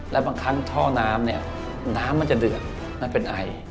และบางครั้งท่อน้ำเนี่ยน้ำมันจะเดือดมันเป็นไอ